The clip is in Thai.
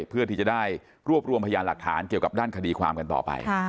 เพื่อที่จะได้รวบรวมพยานหลักฐานเกี่ยวกับด้านคดีความกันต่อไป